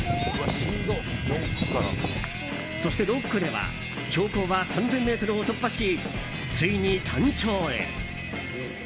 そして６区では標高は３０００ｍを突破しついに山頂へ！